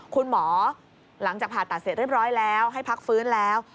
คุณหมอหลังจากผ่าตัดเสร็จเรียบร้อยแล้วให้พักฟื้นแล้ว